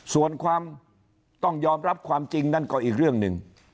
ส่วนความต้องยอมรับความจริงนั่นก็อีกเรื่องหนึ่ง